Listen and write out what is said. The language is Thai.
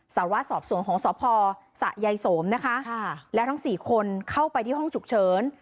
สารวะสอบสวนของสพสะยายโสมนะคะและทั้งสี่คนเข้าไปที่ห้องฉุกเฉิน